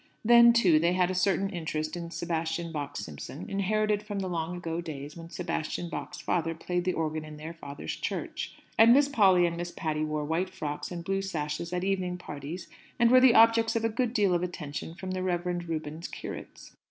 Then, too, they had a certain interest in Sebastian Bach Simpson, inherited from the long ago days when Sebastian Bach's father played the organ in their father's church, and Miss Polly and Miss Patty wore white frocks and blue sashes at evening parties, and were the objects of a good deal of attention from the Reverend Reuben's curates.